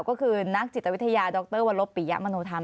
ก็คือนักจิตวิทยาดรวรบปิยะมโนธรรม